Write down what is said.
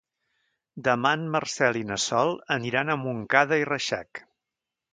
Demà en Marcel i na Sol aniran a Montcada i Reixac.